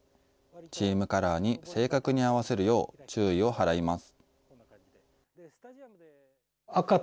チームカラーに正確に合わせるよう注意を払います。